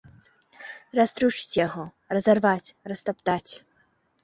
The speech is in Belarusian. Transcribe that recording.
Раструшчыць яго, разарваць, растаптаць.